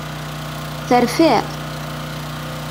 Terfiḍ?